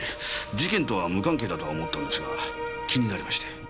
事件とは無関係だとは思ったんですが気になりまして。